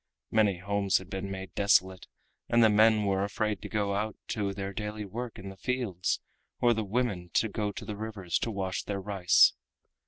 Many homes had been made desolate and the men were afraid to go out to their daily work in the fields, or the women to go to the rivers to wash their rice.